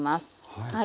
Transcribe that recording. はい。